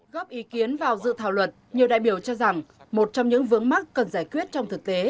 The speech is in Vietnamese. góp ý kiến vào dự thảo luật nhiều đại biểu cho rằng một trong những vướng mắt cần giải quyết trong thực tế